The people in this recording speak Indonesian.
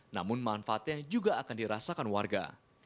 namun manfaatnya juga akan dirasakan warga